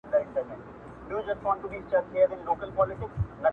چې دردونو کښ اوده وي ځنې خلق